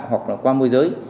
hoặc là qua môi giới